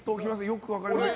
よく分かりません。